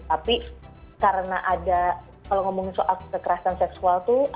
tapi karena ada kalau ngomongin soal kekerasan seksual tuh